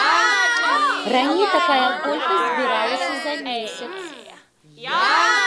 Раней такая колькасць збіралася за месяц.